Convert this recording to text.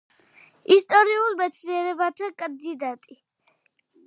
ისტორიულ მეცნიერებათა კანდიდატი.